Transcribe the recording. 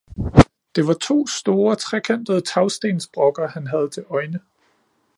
Det var to store, trekantede tagstensbrokker, han havde til øjne.